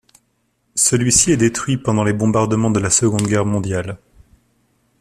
Celui-ci est détruit pendant les bombardements de la Seconde Guerre mondiale.